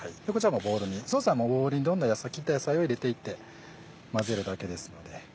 ソースはボウルにどんどん切った野菜を入れていって混ぜるだけですので。